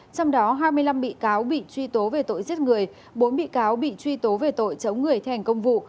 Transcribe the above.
trong đó hai mươi năm bị cáo bị truy tố về tội giết người bốn bị cáo bị truy tố về tội chống người thi hành công vụ